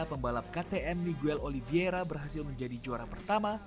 pembalap ktm miguel oliviera berhasil menjadi juara pertama